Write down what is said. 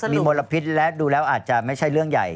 มีมลพิษและดูแล้วอาจจะไม่ใช่เรื่องใหญ่